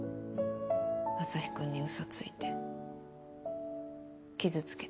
アサヒくんに嘘ついて傷つけて。